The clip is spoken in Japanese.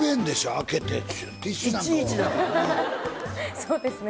そうですね。